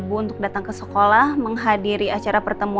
bukan yang suami istri itu